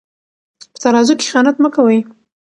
په ترازو کې خیانت مه کوئ.